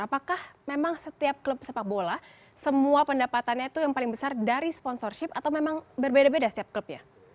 apakah memang setiap klub sepak bola semua pendapatannya itu yang paling besar dari sponsorship atau memang berbeda beda setiap klubnya